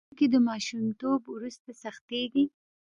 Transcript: هډوکي د ماشومتوب وروسته سختېږي.